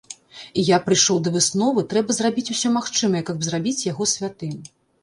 І я прыйшоў да высновы, трэба зрабіць усё магчымае, каб зрабіць яго святым.